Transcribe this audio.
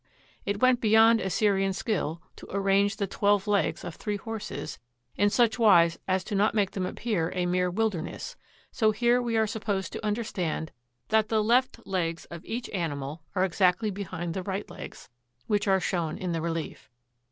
It went beyond Assyrian skill to arrange the twelve legs of three horses in such wise as not to make them appear a mere wil derness; so here we are supposed to understand that the left legs of each animal are exactly behind the right legs, which are shown in the relief.